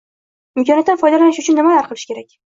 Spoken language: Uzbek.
Imkoniyatdan foydalanish uchun nimalar qilish kerak?